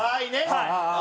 はい。